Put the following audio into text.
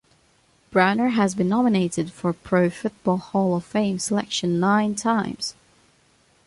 Browner has been nominated for Pro Football Hall of Fame selection nine times.